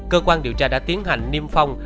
cơ quan điều tra đã tiến hành niêm phong